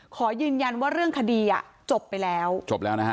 ขอยืนยันว่าเรื่องคดีอ่ะจบไปแล้วจบแล้วนะฮะ